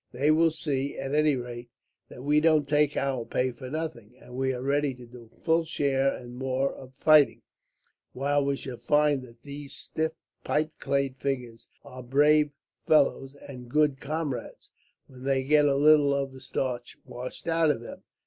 They will see, at any rate, that we don't take our pay for nothing, and are ready to do a full share and more of fighting; while we shall find that these stiff pipe clayed figures are brave fellows, and good comrades, when they get a little of the starch washed out of them.